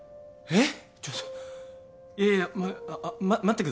えっ？